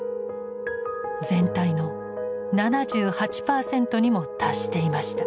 全体の７８％にも達していました。